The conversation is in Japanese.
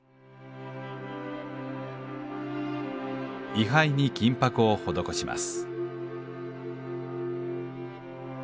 位はいに金箔を施します。